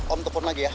om telfon lagi ya